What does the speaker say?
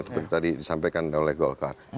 seperti tadi disampaikan oleh golkar